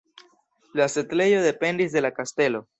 La setlejo dependis de la kastelo.